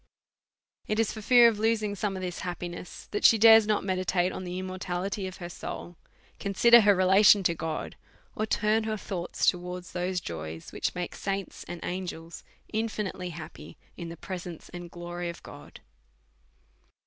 It is for fear of losing some of this happiness that she dares not meditate on the immortality of her soul, consider her relation to God, or turn her thoughts to wards those joys which make saints and angels infi nitely happy in the presence and glory of God.